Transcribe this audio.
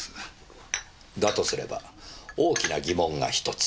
だとすれば大きな疑問が１つ。